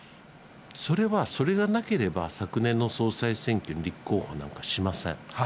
それは、それがなければ昨年の総裁選挙に立候補なんかしません。